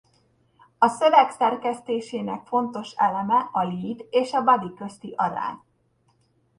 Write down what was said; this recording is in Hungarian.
A szöveg szerkesztésének fontos eleme a lead és a body közti arány.